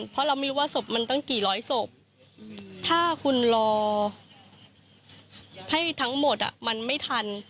เพราะเราไม่รู้ว่าศพมันตั้งกี่ร้อยศพถ้าคุณรอให้ทั้งหมดมันไม่ทัน